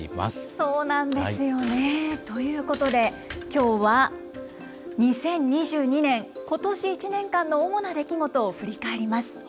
そうなんですよね。ということで、きょうは２０２２年、ことし１年間の主な出来事を振り返ります。